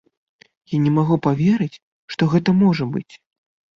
Я не магу паверыць, што гэта можа быць.